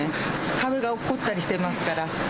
壁がおっこったりしてましたから。